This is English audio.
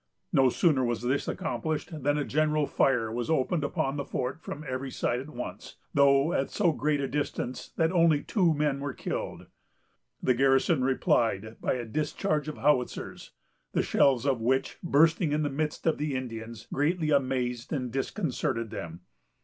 No sooner was this accomplished than a general fire was opened upon the fort from every side at once, though at so great a distance that only two men were killed. The garrison replied by a discharge of howitzers, the shells of which, bursting in the midst of the Indians, greatly amazed and disconcerted them.